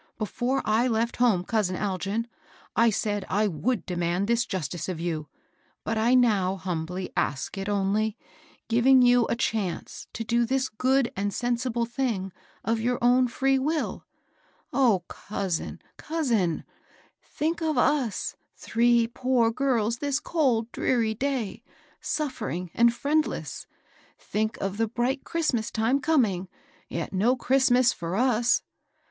Before I left home, oousin Algin, I said I would demand this justice ^ you; but I now Immbly asik it only, giving you a chance to do diis good and sensible thing of your own firee w31. O oousin ! coos , in I think of us three poor girls this cold, dreary* day, suffering and friendless. Think of the bright Christmas time coming, yet no Christ*' mas for us.